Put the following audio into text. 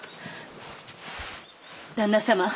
旦那様